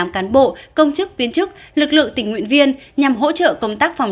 hai hai trăm bảy mươi tám cán bộ công chức viên chức lực lượng tỉnh nguyện viên nhằm hỗ trợ công tác phòng